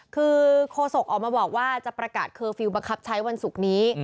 คือโคศกออกมาบอกว่าจะประกาศเคอร์ฟิลลบังคับใช้วันศุกร์นี้